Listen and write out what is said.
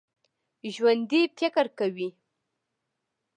ژوندي فکر کوي